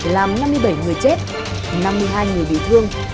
làm năm mươi bảy người chết năm mươi hai người bị thương